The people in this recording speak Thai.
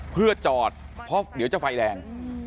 เพื่อจอดเพราะเดี๋ยวจะไฟแดง